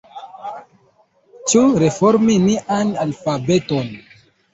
Ĉu reformi nian alfabeton?